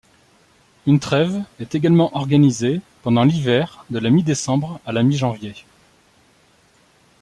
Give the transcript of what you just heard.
Une trêve est également organisée pendant l'hiver de la mi-décembre à la mi-janvier.